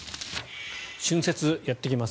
春節、やってきます。